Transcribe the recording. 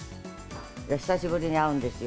久しぶりに会うんですよ。